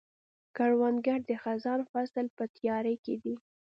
کروندګر د خزان فصل په تیاري کې دی